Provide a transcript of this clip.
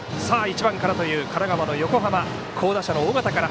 １番からという神奈川の横浜、好打者の緒方から。